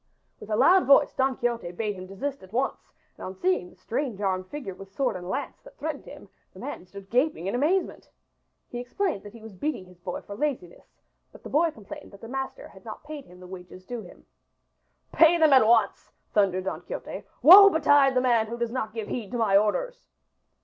With a loud voice Don Quixote bade him desist at once and on seeing the strange armed figure with sword and lance that threatened him, the man stood gaping with amazement. He explained that he was beating his boy for laziness, but the boy complained that his master had not paid him the wages due him. "Pay them at once," thundered Don Quixote. "Woe betide the man who does not give heed to my orders."